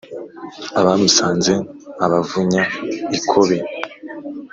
Abamusanze abavunya ikobe